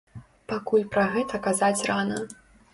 Пакуль пра гэта казаць рана.